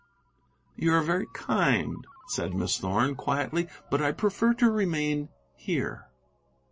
"You are very kind," said Miss Thorn, quietly, "but I prefer to remain here."